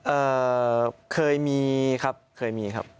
เอ่อเคยมีครับเคยมีครับ